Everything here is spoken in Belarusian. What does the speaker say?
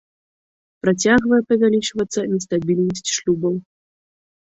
Працягвае павялічвацца нестабільнасць шлюбаў.